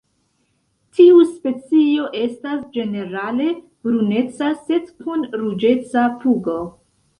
Tiu specio estas ĝenerale bruneca sed kun ruĝeca pugo.